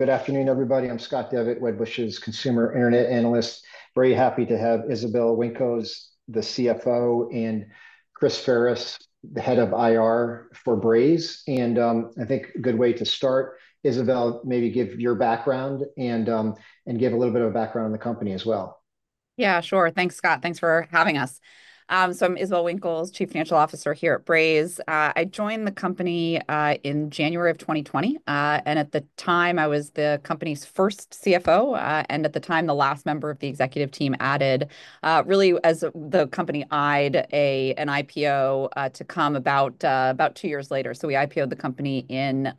Good afternoon, everybody. I'm Scott Devitt, Wedbush's consumer internet analyst. Very happy to have Isabelle Winkles, the CFO, and Chris Ferris, the head of IR for Braze. I think a good way to start, Isabelle, maybe give your background and give a little bit of a background on the company as well. Sure. Thanks, Scott. Thanks for having us. I'm Isabelle Winkels, Chief Financial Officer here at Braze. I joined the company in January of 2020. At the time, I was the company's first CFO, and at the time, the last member of the executive team added, really as the company eyed an IPO to come about, about two years later. We IPO'd the company in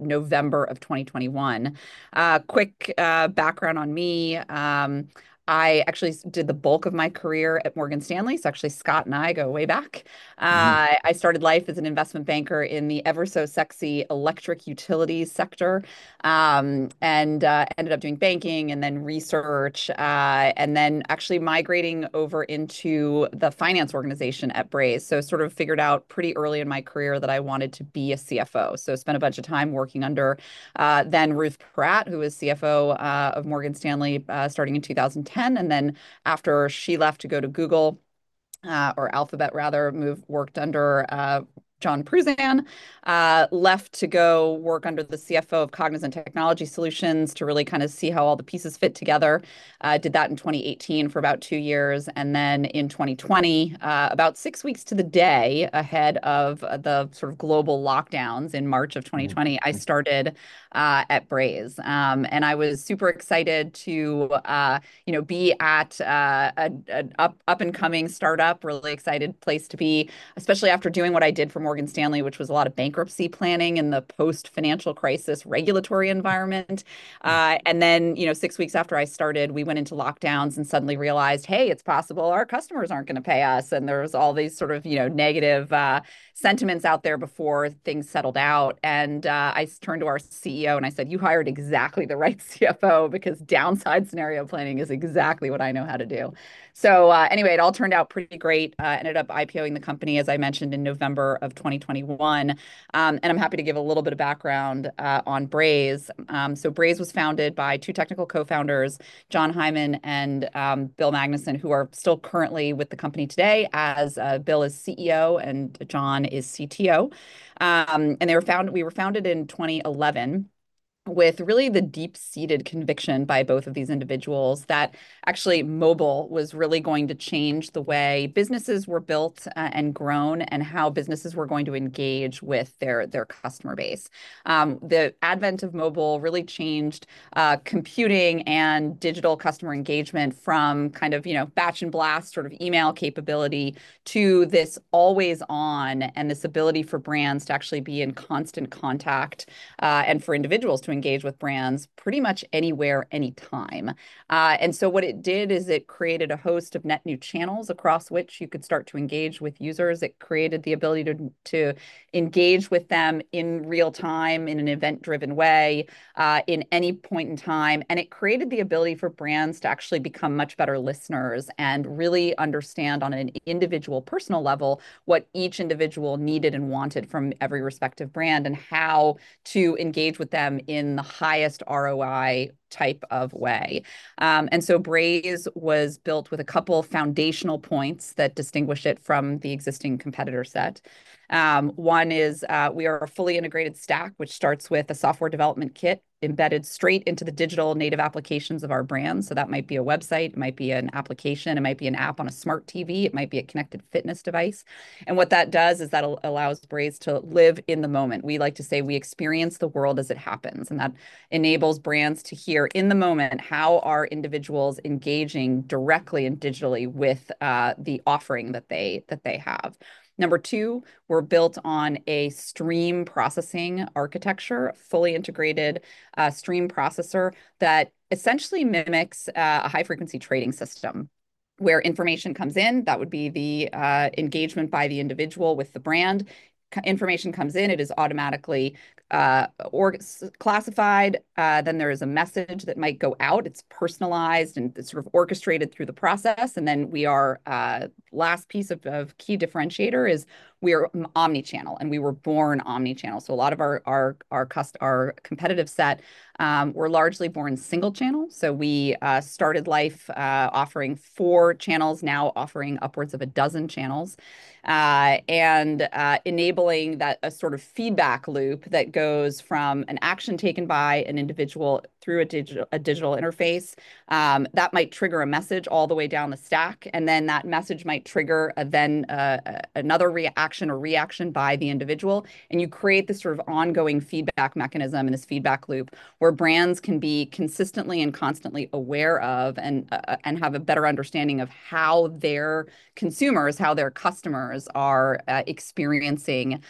November of 2021. Quick background on me, I actually did the bulk of my career at Morgan Stanley, so actually, Scott and I go way back. I started life as an investment banker in the ever-so-sexy electric utilities sector. Ended up doing banking and then research, and then actually migrating over into the finance organization at Braze. Sort of figured out pretty early in my career that I wanted to be a CFO, spent a bunch of time working under, then Ruth Porat, who was CFO, of Morgan Stanley, starting in 2010. After she left to go to Google, or Alphabet rather, worked under, John Pruzan. Left to go work under the CFO of Cognizant Technology Solutions to really kind see how all the pieces fit together. Did that in 2018 for about two years, and then in 2020, about six weeks to the day ahead of, the sort of global lockdowns in March of 2020. I started at Braze, and I was super excited to, you know, be at an up-and-coming startup, really excited place to be, especially after doing what I did for Morgan Stanley, which was a lot of bankruptcy planning in the post-financial crisis regulatory environment, you know, six weeks after I started, we went into lockdowns and suddenly realized, "Hey, it's possible our customers aren't gonna pay us," and there was all these sort of, you know, negative sentiments out there before things settled out, and I turned to our CEO, and I said, "You hired exactly the right CFO, because downside scenario planning is exactly what I know how to do." Anyway, it all turned out pretty great. Ended up IPO'ing the company, as I mentioned, in November of 2021. I'm happy to give a little bit of background on Braze. Braze was founded by two technical co-founders, Jon Hyman and, Bill Magnuson, who are still currently with the company today as, Bill is CEO, and Jon is CTO. We were founded in 2011, with really the deep-seated conviction by both of these individuals that actually mobile was really going to change the way businesses were built, grown, and how businesses were going to engage with their customer base. The advent of mobile really changed computing and digital customer engagement from kind of, you know, batch and blast sort of email capability to this always-on, this ability for brands to actually be in constant contact, and for individuals to engage with brands pretty much anywhere, anytime. What it did is it created a host of net-new channels across which you could start to engage with users. It created the ability to engage with them in real time, in an event-driven way, in any point in time. It created the ability for brands to actually become much better listeners and really understand, on an individual personal level, what each individual needed and wanted from every respective brand, and how to engage with them in the highest ROI type of way. Braze was built with a couple foundational points that distinguish it from the existing competitor set. One is we are a fully integrated stack, which starts with a software development kit embedded straight into the digital native applications of our brand. That might be a website, it might be an application, it might be an app on a smart TV, it might be a connected fitness device. What that does is that allows Braze to live in the moment. We like to say we experience the world as it happens, and that enables brands to hear in the moment how are individuals engaging directly and digitally with the offering that they have. Number two, we're built on a stream processing architecture, a fully integrated stream processor that essentially mimics a high-frequency trading system, where information comes in. That would be the engagement by the individual with the brand. Information comes in, it is automatically classified. There is a message that might go out. It's personalized and sort of orchestrated through the process, we are. Last piece of key differentiator is we are omni-channel, and we were born omni-channel. A lot of our competitive set were largely born single channel. We started life offering four channels, now offering upwards of a dozen channels. Enabling that, a sort of feedback loop that goes from an action taken by an individual through a digital interface that might trigger a message all the way down the stack, and then that message might trigger another reaction by the individual. You create this sort of ongoing feedback mechanism and this feedback loop, where brands can be consistently and constantly aware of and have a better understanding of how their consumers, how their customers are experiencing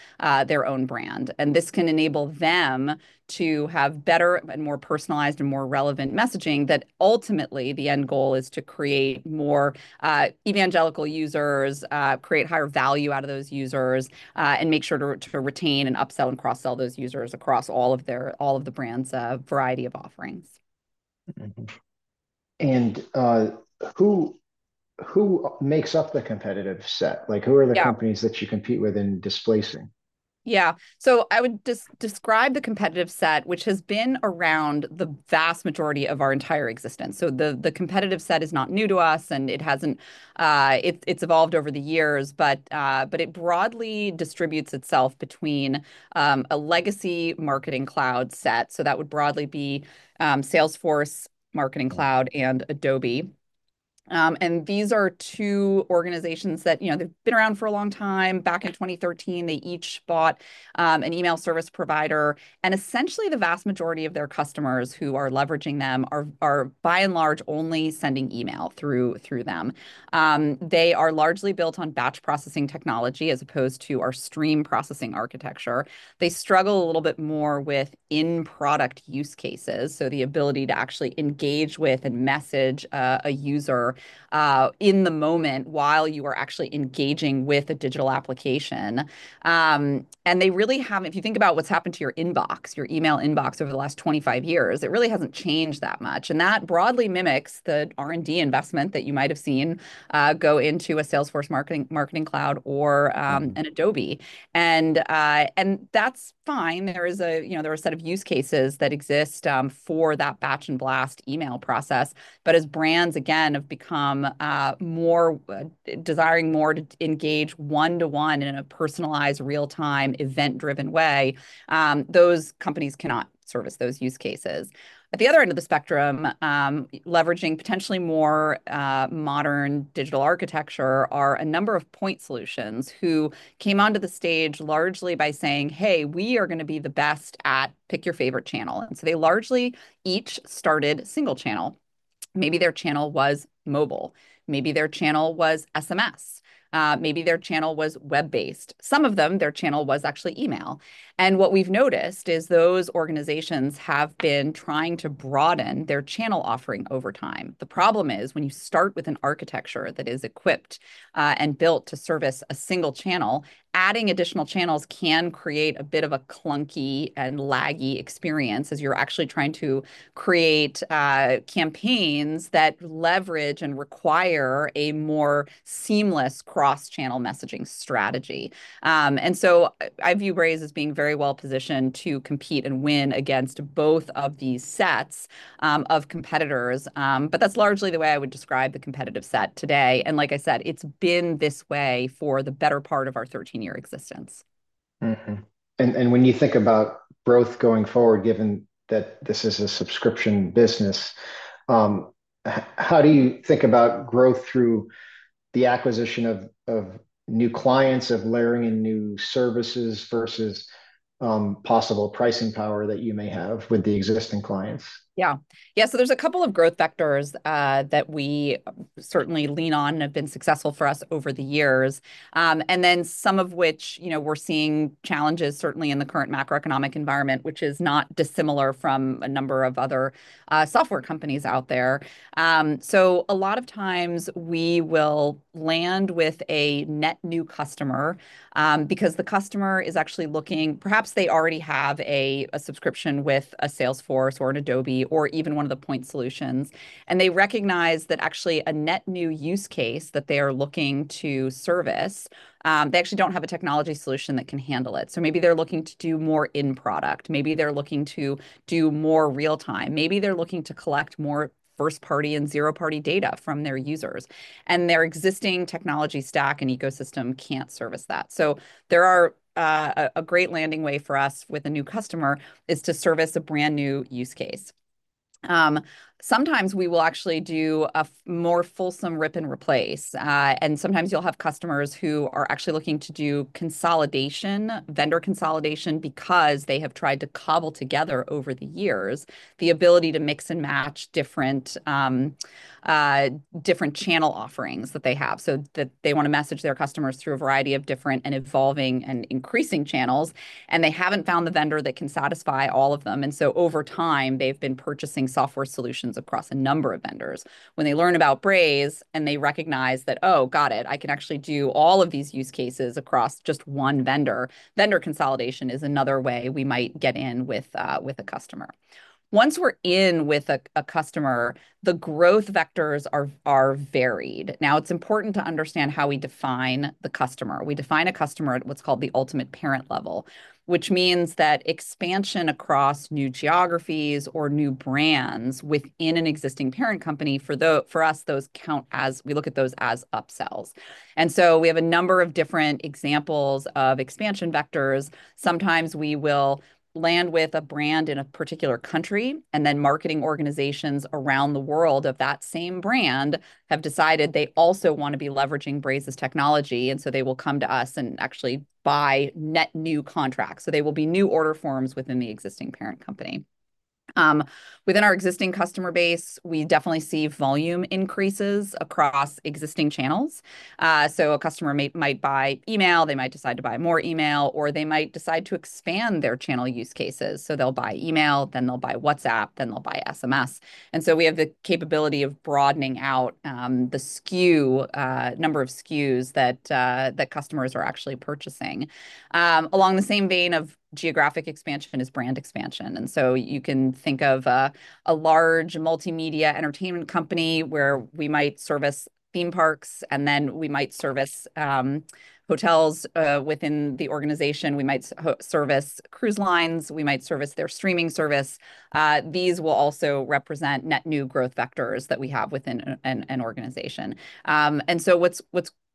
their own brand. This can enable them to have better and more personalized and more relevant messaging, that ultimately, the end goal is to create more evangelical users, create higher value out of those users, and make sure to retain and upsell and cross-sell those users across all of the brand's variety of offerings. Who makes up the competitive set? Like, who are the companies that you compete with in displacing? I would describe the competitive set, which has been around the vast majority of our entire existence. The competitive set is not new to us, and it hasn't. It's evolved over the years. It broadly distributes itself between a legacy marketing cloud set, so that would broadly be Salesforce Marketing Cloud, and Adobe. These are two organizations that, you know, they've been around for a long time. Back in 2013, they each bought an email service provider, and essentially, the vast majority of their customers who are leveraging them are, by and large, only sending email through them. They are largely built on batch processing technology, as opposed to our stream processing architecture. They struggle a little bit more with in-product use cases, the ability to actually engage with and message a user in the moment, while you are actually engaging with a digital application. They really haven't. If you think about what's happened to your inbox, your email inbox over the last 25 years, it really hasn't changed that much, and that broadly mimics the R&D investment that you might have seen go into a Salesforce Marketing Cloud or an Adobe. That's fine. There is a, you know, there are a set of use cases that exist for that batch and blast email process. As brands, again, have become more desiring more to engage one-to-one in a personalized, real-time, event-driven way, those companies cannot service those use cases. At the other end of the spectrum, leveraging potentially more modern digital architecture are a number of point solutions, who came onto the stage largely by saying, "Hey, we are gonna be the best at pick your favorite channel." They largely each started single channel. Maybe their channel was mobile, maybe their channel was SMS, maybe their channel was web-based. Some of them, their channel was actually email. What we've noticed is those organizations have been trying to broaden their channel offering over time. The problem is, when you start with an architecture that is equipped and built to service a single channel, adding additional channels can create a bit of a clunky and laggy experience, as you're actually trying to create campaigns that leverage and require a more seamless cross-channel messaging strategy. I view Braze as being very well-positioned to compete and win against both of these sets of competitors. That's largely the way I would describe the competitive set today, and like I said, it's been this way for the better part of our 13-year existence. When you think about growth going forward, given that this is a subscription business, how do you think about growth through the acquisition of new clients, layering in new services, versus possible pricing power that you may have with the existing clients? There's a couple of growth vectors that we certainly lean on and have been successful for us over the years, and then some of which, you know, we're seeing challenges, certainly in the current macroeconomic environment, which is not dissimilar from a number of other software companies out there, so a lot of times, we will land with a net new customer because the customer is actually looking. Perhaps they already have a subscription with Salesforce, or Adobe, or even one of the point solutions, and they recognize that actually a net new use case that they are looking to service. They actually don't have a technology solution that can handle it. Maybe they're looking to do more in product, maybe they're looking to do more real time, maybe they're looking to collect more first-party and zero-party data from their users, and their existing technology stack and ecosystem can't service that. There are a great landing way for us with a new customer is to service a brand-new use case. Sometimes we will actually do a more fulsome rip and replace, and sometimes you'll have customers who are actually looking to do consolidation, vendor consolidation, because they have tried to cobble together over the years the ability to mix and match different channel offerings that they have. That they wanna message their customers through a variety of different and evolving and increasing channels, and they haven't found the vendor that can satisfy all of them. Over time, they've been purchasing software solutions across a number of vendors. When they learn about Braze, and they recognize that, "Oh, got it, I can actually do all of these use cases across just one vendor," vendor consolidation is another way we might get in with a customer. Once we're in with a customer, the growth vectors are varied. Now, it's important to understand how we define the customer. We define a customer at what's called the ultimate parent level, which means that expansion across new geographies or new brands within an existing parent company, for us, those count as, we look at those as upsells. We have a number of different examples of expansion vectors. Sometimes we will land with a brand in a particular country, and then marketing organizations around the world of that same brand have decided they also wanna be leveraging Braze's technology, they will come to us and actually buy net new contracts, they will be new order forms within the existing parent company, within our existing customer base, we definitely see volume increases across existing channels, so a customer might buy email, they might decide to buy more email, or they might decide to expand their channel use cases, they'll buy email, then they'll buy WhatsApp, then they'll buy SMS, and so we have the capability of broadening out the SKU, number of SKUs that customers are actually purchasing. Along the same vein of geographic expansion is brand expansion, you can think of a large multimedia entertainment company where we might service theme parks, and then we might service hotels within the organization. We might service cruise lines. We might service their streaming service. These will also represent net new growth vectors that we have within an organization. What's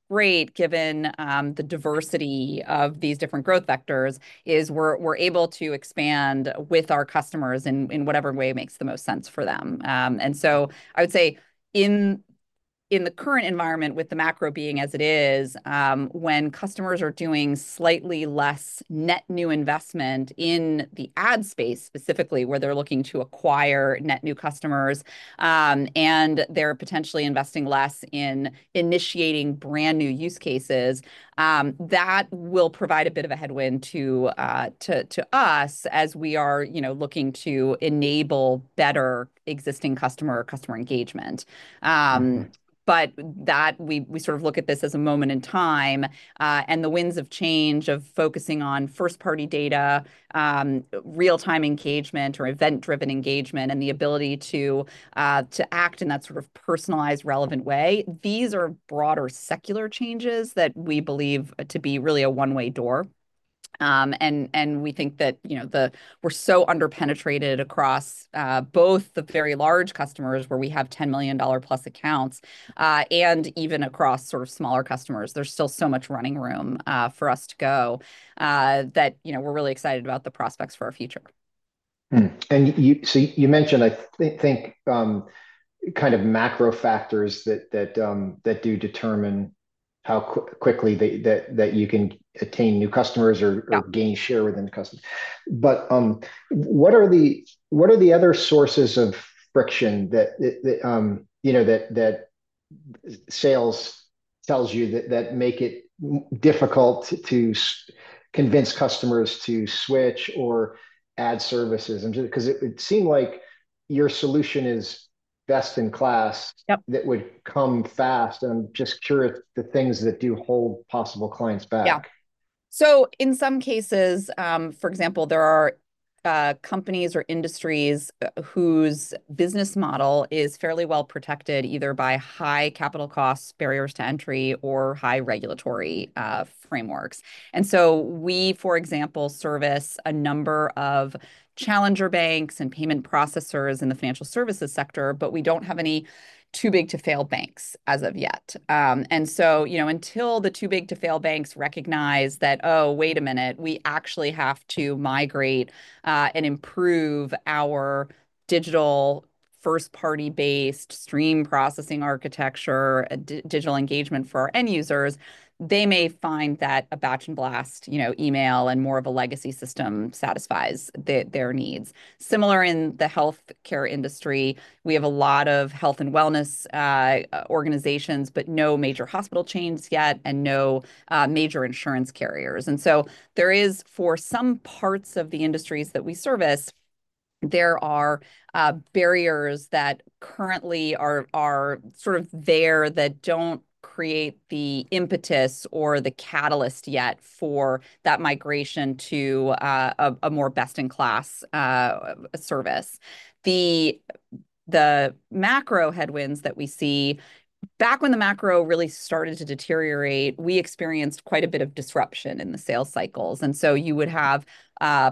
great, given the diversity of these different growth vectors, is we're able to expand with our customers in whatever way makes the most sense for them. I would say, in the current environment, with the macro being as it is, when customers are doing slightly less net new investment in the ad space, specifically, where they're looking to acquire net new customers, and they're potentially investing less in initiating brand-new use cases, that will provide a bit of a headwind to us as we are, you know, looking to enable better existing customer or customer engagement. That we sort of look at this as a moment in time, and the winds of change, of focusing on first-party data, real-time engagement or event-driven engagement, and the ability to to act in that sort of personalized, relevant way. These are broader secular changes that we believe to be really a one-way door. And we think that, you know, We're under-penetrated across both the very large customers, where we have $10 million+ accounts, and even across sort of smaller customers. There's still so much running room for us to go that, you know, we're really excited about the prospects for our future. You mentioned, I think, kind of macro factors that do determine how quickly that you can attain new customers or gain share within the customers. What are the other sources of friction that, you know, that sales tells you that make it difficult to convince customers to switch or add services? Just 'cause it seemed like your solution is best-in-class that would come fast. I'm just curious the things that do hold possible clients back. In some cases, for example, there are companies or industries whose business model is fairly well-protected, either by high capital costs, barriers to entry, or high regulatory frameworks. We, for example, service a number of challenger banks and payment processors in the financial services sector, we don't have any too-big-to-fail banks as of yet. You know, until the too-big-to-fail banks recognize that, "Oh, wait a minute, we actually have to migrate and improve our digital first-party based stream processing architecture, digital engagement for our end users," they may find that a batch and blast, you know, email and more of a legacy system satisfies their, their needs. Similar in the healthcare industry, we have a lot of health and wellness organizations, but no major hospital chains yet and no major insurance carriers. There is, for some parts of the industries that we service, there are barriers that currently are sort of there, that don't create the impetus or the catalyst yet for that migration to a more best-in-class service. The macro headwinds that we see. Back when the macro really started to deteriorate, we experienced quite a bit of disruption in the sales cycles, and so you would have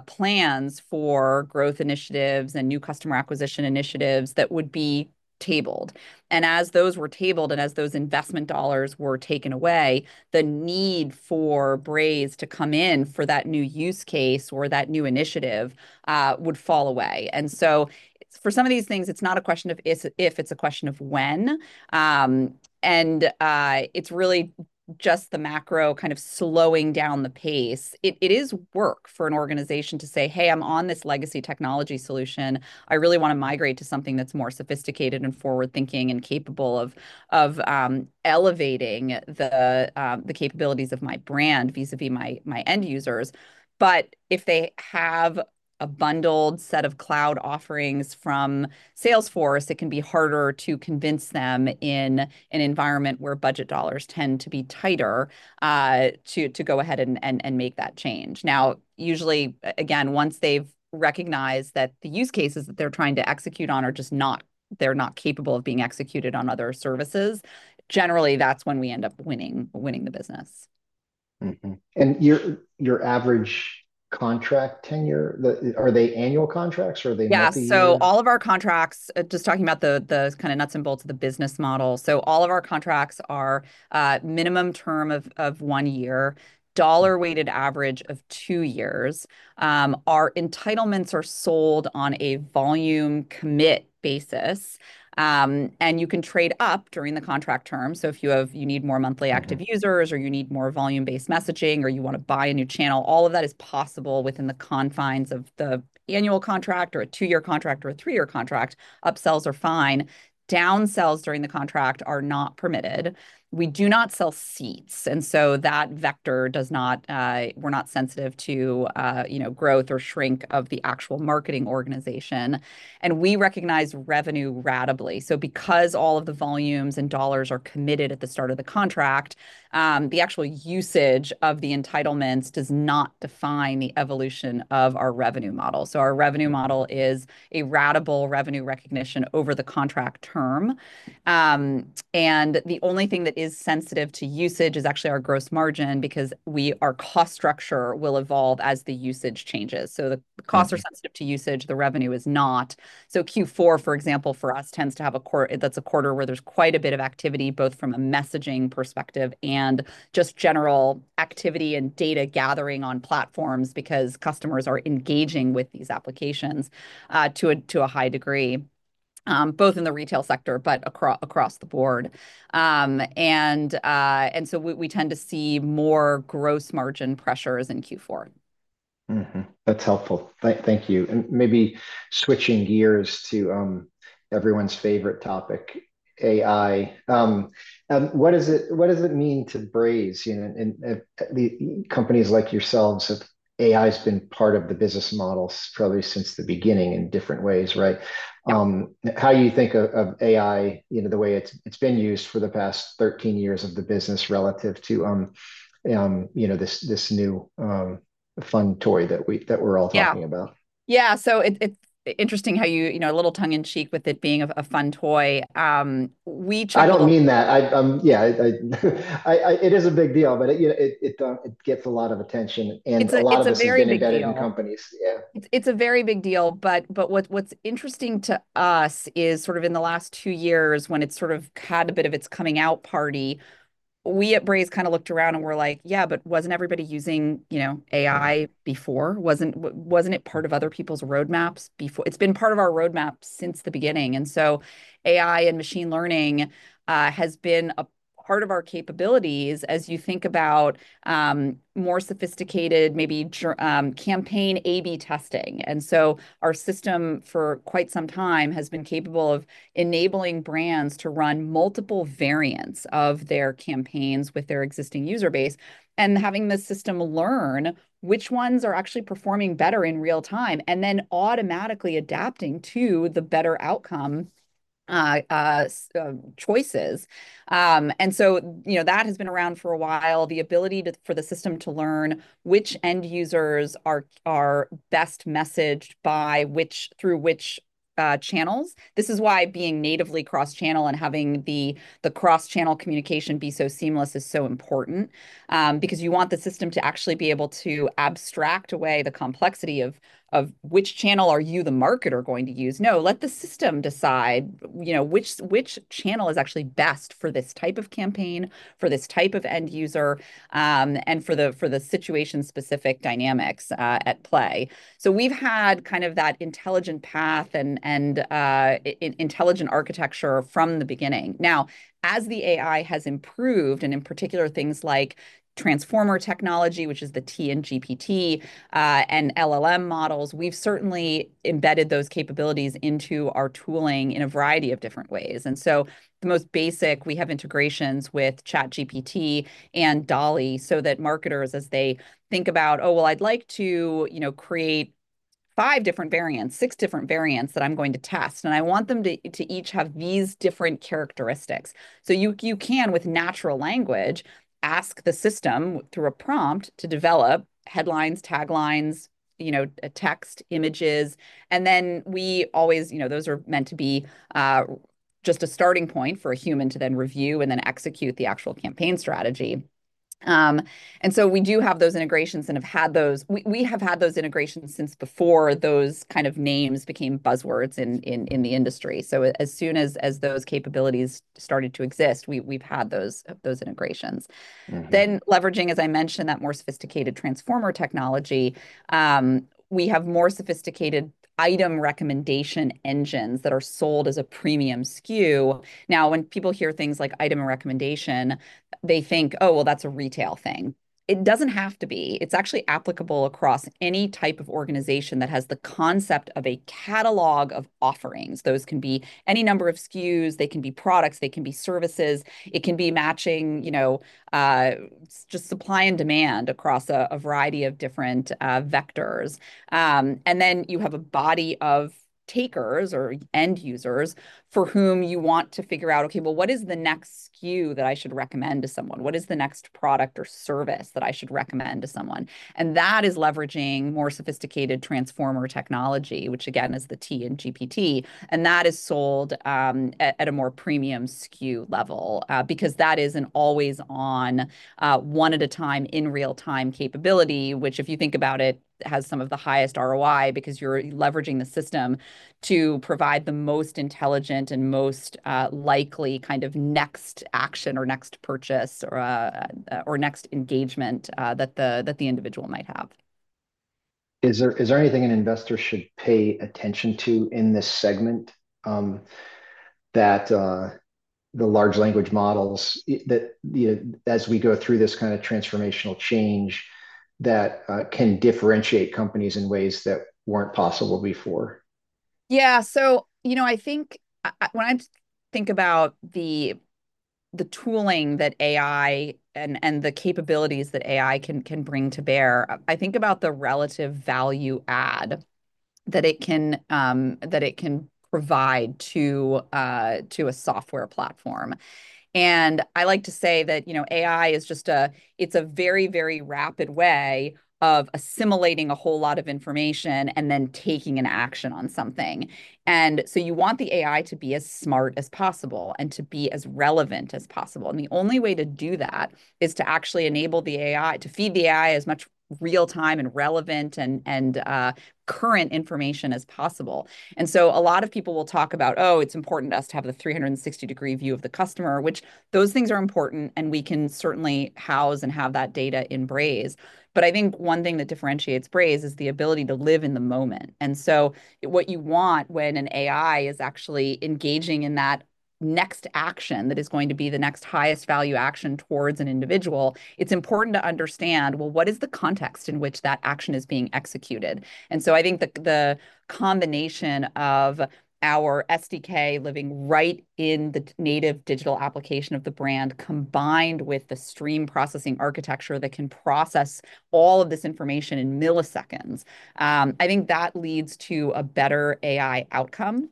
plans for growth initiatives and new customer acquisition initiatives that would be tabled. As those were tabled, and as those investment dollars were taken away, the need for Braze to come in for that new use case or that new initiative would fall away. For some of these things, it's not a question of if, it's a question of when. It's really just the macro kind of slowing down the pace. It is work for an organization to say, "Hey, I'm on this legacy technology solution. I really wanna migrate to something that's more sophisticated, and forward-thinking, and capable of elevating the capabilities of my brand, vis-à-vis my end users." If they have a bundled set of cloud offerings from Salesforce, it can be harder to convince them in an environment where budget dollars tend to be tighter, to go ahead and make that change. Now, usually, again, once they've recognized that the use cases that they're trying to execute on are just not. They're not capable of being executed on other services, generally, that's when we end up winning the business. Your average contract tenure? Are they annual contracts or are they multi-year? All of our contracts, just talking about the kind of nuts and bolts of the business model. All of our contracts are minimum term of one year, dollar-weighted average of two years. Our entitlements are sold on a volume commit basis, and you can trade up during the contract term. If you need more monthly active users, or you need more volume-based messaging, or you wanna buy a new channel, all of that is possible within the confines of the annual contract, or a two-year contract, or a three-year contract. Upsells are fine. ownsells during the contract are not permitted. We do not sell seats, and so that vector does not, we're not sensitive to, you know, growth or shrink of the actual marketing organization. We recognize revenue ratably, so because all of the volumes and dollars are committed at the start of the contract, the actual usage of the entitlements does not define the evolution of our revenue model. Our revenue model is a ratable revenue recognition over the contract term. The only thing that is sensitive to usage is actually our gross margin because our cost structure will evolve as the usage changes. The costs are sensitive to usage, the revenue is not. So Q4, for example, for us, tends to have a quarter that's a quarter where there's quite a bit of activity, both from a messaging perspective and just general activity and data gathering on platforms because customers are engaging with these applications to a high degree, both in the retail sector, but across the board. We tend to see more gross margin pressures in Q4. That's helpful. Thank you, and maybe switching gears to everyone's favorite topic, AI. What does it mean to Braze? You know, and the companies like yourselves, that AI's been part of the business model probably since the beginning in different ways, right? How you think of AI, you know, the way it's been used for the past 13 years of the business relative to, you know, this new fun toy that we're all talking about? It's interesting how you know, a little tongue-in-cheek with it being a, a fun toy. We try to- I don't mean that. Yeah, it is a big deal, but, you know, it gets a lot of attention, a lot of this has been embedded in companies. Yeah. It's a very big deal, but what's interesting to us is sort of in the last two years, when it sort of had a bit of its coming out party, we at Braze kind of looked around and we're like: "Yeah, but wasn't everybody using, you know, AI before? Wasn't it part of other people's roadmaps before?" It's been part of our roadmap since the beginning, AI and machine learning has been a part of our capabilities as you think about more sophisticated, maybe campaign A/B testing. Our system, for quite some time, has been capable of enabling brands to run multiple variants of their campaigns with their existing user base, and having the system learn which ones are actually performing better in real time, and then automatically adapting to the better outcome, choices. You know, that has been around for a while, the ability to for the system to learn which end users are best messaged by which through which channels. This is why being natively cross-channel and having the cross-channel communication be so seamless is so important, because you want the system to actually be able to abstract away the complexity of which channel are you, the marketer, going to use? No, let the system decide, you know, which channel is actually best for this type of campaign, for this type of end user, and for the situation-specific dynamics at play. So we've had kind of that intelligent path and intelligent architecture from the beginning. Now, as the AI has improved, and in particular things like transformer technology, which is the T in GPT, and LLM models, we've certainly embedded those capabilities into our tooling in a variety of different ways. And so the most basic, we have integrations with ChatGPT and DALL-E, so that marketers, as they think about, "Oh, well, I'd like to, you know, create five different variants, six different variants that I'm going to test, and I want them to each have these different characteristics." You can, with natural language, ask the system through a prompt to develop headlines, taglines, you know, text, images, and then we always. You know, those are meant to be just a starting point for a human to then review and then execute the actual campaign strategy. And so we do have those integrations and have had those. We have had those integrations since before those kind of names became buzzwords in the industry. So as soon as those capabilities started to exist, we've had those integrations. Then leveraging, as I mentioned, that more sophisticated transformer technology, we have more sophisticated item recommendation engines that are sold as a premium SKU. Now, when people hear things like item and recommendation, they think, "Oh, well, that's a retail thing." It doesn't have to be. It's actually applicable across any type of organization that has the concept of a catalog of offerings. Those can be any number of SKUs. They can be products. They can be services. It can be matching, you know, just supply and demand across a variety of different vectors. And then you have a body of takers or end users for whom you want to figure out: "Okay, well, what is the next SKU that I should recommend to someone? What is the next product or service that I should recommend to someone?" And that is leveraging more sophisticated Transformer technology, which again, is the T in GPT, and that is sold at a more premium SKU level. Because that is an always on, one at a time, in real time capability, which, if you think about it, has some of the highest ROI because you're leveraging the system to provide the most intelligent and most likely kind of next action, or next purchase, or next engagement, that the individual might have. Is there anything an investor should pay attention to in this segment that the large language models that you know as we go through this kind of transformational change that can differentiate companies in ways that weren't possible before? You know, I think when I think about the tooling that AI and the capabilities that AI can bring to bear, I think about the relative value add that it can provide to a software platform. I like to say that, you know, AI is just a... It's a very, very rapid way of assimilating a whole lot of information, and then taking an action on something. You want the AI to be as smart as possible, and to be as relevant as possible, and the only way to do that is to actually enable the AI, to feed the AI as much real-time, and relevant, and current information as possible. A lot of people will talk about, "Oh, it's important to us to have the 360-degree view of the customer," which those things are important, and we can certainly house and have that data in Braze. I think one thing that differentiates Braze is the ability to live in the moment. What you want when an AI is actually engaging in that next action that is going to be the next highest value action towards an individual, it's important to understand, well, what is the context in which that action is being executed? I think the combination of our SDK living right in the native digital application of the brand, combined with the stream processing architecture that can process all of this information in milliseconds. I think that leads to a better AI outcome.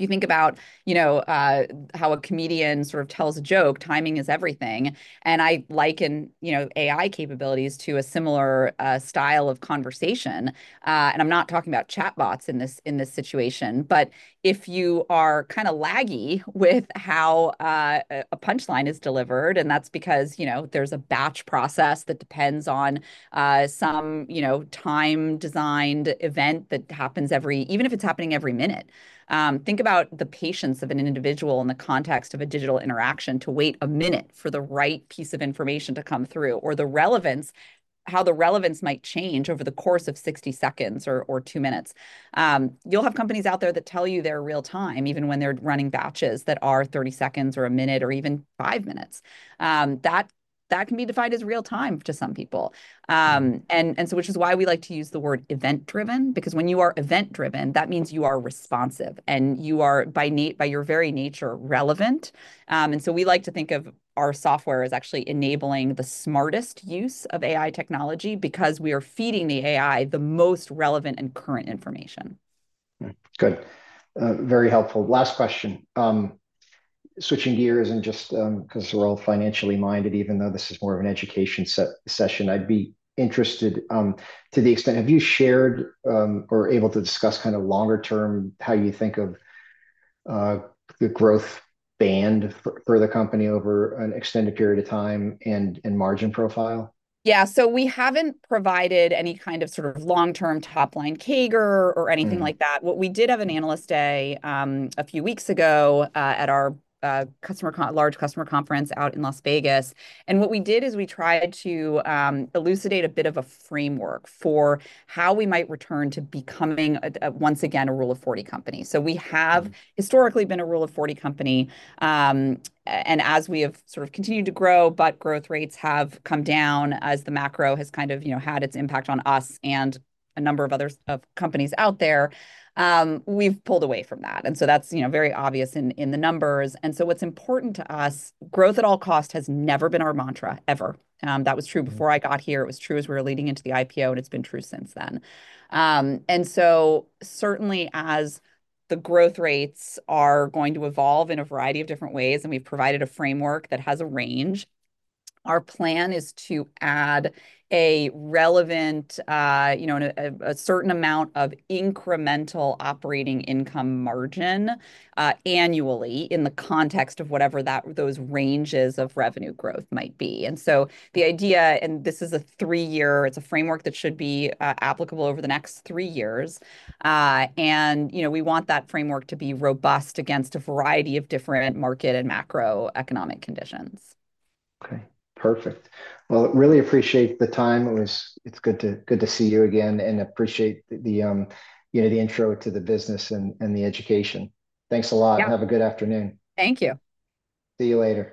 If you think about, you know, how a comedian sort of tells a joke, timing is everything, and I liken, you know, AI capabilities to a similar style of conversation, and I'm not talking about chatbots in this situation. But if you are kind of laggy with how a punchline is delivered, and that's because, you know, there's a batch process that depends on some, you know, time-designed event that happens every... Even if it's happening every minute, think about the patience of an individual in the context of a digital interaction to wait a minute for the right piece of information to come through, or the relevance, how the relevance might change over the course of 60 seconds or two minutes. You'll have companies out there that tell you they're real time, even when they're running batches that are 30 seconds, or a minute, or even five minutes. That can be defined as real time to some people, which is why we like to use the word event-driven, because when you are event-driven, that means you are responsive, and you are by your very nature relevant, and so we like to think of our software as actually enabling the smartest use of AI technology, because we are feeding the AI the most relevant and current information. Good. Very helpful. Last question. Switching gears and just, 'cause we're all financially minded, even though this is more of an education session, I'd be interested, to the extent... Have you shared, or are able to discuss kind of longer term, how you think of, the growth band for the company over an extended period of time and margin profile? We haven't provided any kind of sort of long-term top-line CAGR or anything like that. What we did have an analyst day a few weeks ago at our customer conference out in Las Vegas, and what we did is we tried to elucidate a bit of a framework for how we might return to becoming, once again, a Rule of 40 company. We have historically been a Rule of 40 company, as we have sort of continued to grow, but growth rates have come down as the macro has kind of, you know, had its impact on us and a number of other companies out there, we've pulled away from that. That's, you know, very obvious in the numbers. What's important to us, growth at all cost has never been our mantra, ever. That was true before I got here, it was true as we were leading into the IPO, and it's been true since then. Certainly as the growth rates are going to evolve in a variety of different ways, and we've provided a framework that has a range, our plan is to add a relevant, you know, and a certain amount of incremental operating income margin annually in the context of whatever that, those ranges of revenue growth might be. The idea, and this is a three-year, it's a framework that should be applicable over the next three years. You know, we want that framework to be robust against a variety of different market and macroeconomic conditions. Okay, perfect. Well, really appreciate the time. It's good to see you again, and appreciate the, you know, the intro to the business and the education. Thanks a lot. Have a good afternoon. Thank you. See you later.